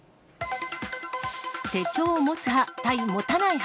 手帳を持つ派対持たない派。